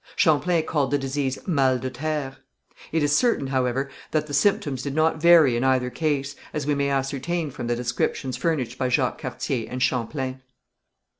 Champlain called the disease mal de terre. It is certain, however, that the symptoms did not vary in either case, as we may ascertain from the descriptions furnished by Jacques Cartier and Champlain.